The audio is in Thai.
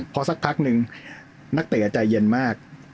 เพราะสักพักนึงนักเตะจะใจเย็นมาก